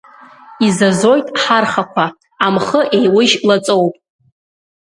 Изазоит ҳархақәа, амхы еиужь лаҵоуп.